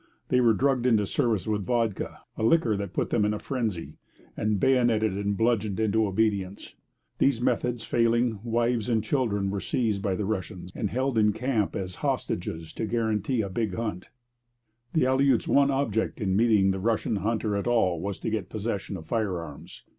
They were drugged into service with vodka, a liquor that put them in a frenzy; and bayoneted and bludgeoned into obedience. These methods failing, wives and children were seized by the Russians and held in camp as hostages to guarantee a big hunt. The Aleuts' one object in meeting the Russian hunter at all was to get possession of firearms.